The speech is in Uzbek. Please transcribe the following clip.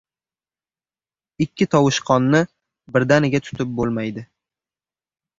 • Ikki tovushqonni birdaniga tutib bo‘lmaydi.